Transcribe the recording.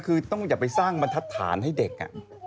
คือต้องอย่าไปสร้างบรรทัศน์ให้เด็ก